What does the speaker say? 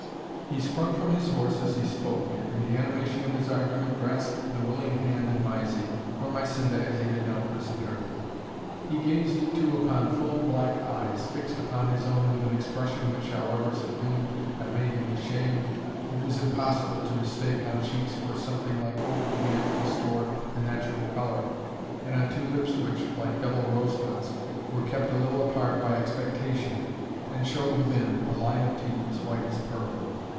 He sprung from his horse as he spoke, and, in the animation of his argument, grasped the willing hand of Mysie, (or Mysinda as he had now christened her.) He gazed too upon full black eyes, fixed upon his own with an expression which, however subdued by maidenly shame, it was impossible to mistake, on cheeks where something like hope began to restore the natural colour, and on two lips which, like double rosebuds, were kept a little apart by expectation, and showed within a line of teeth as white as pearl.